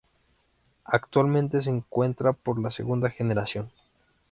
Actualmente se encuentran por la segunda generación.